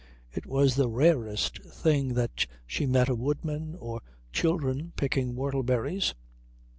It was the rarest thing that she met a woodman, or children picking whortleberries.